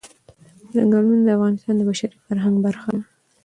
ځنګلونه د افغانستان د بشري فرهنګ برخه ده.